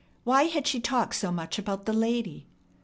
Why had she talked so much about the lady?